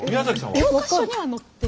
教科書には載ってます。